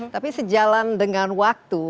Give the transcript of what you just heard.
tapi sejalan dengan waktu